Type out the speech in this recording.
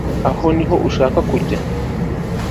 aho niho nshaka kujya